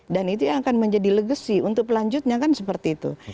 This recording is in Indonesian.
dan itu yang akan menjadi legasi untuk lanjutnya kan seperti itu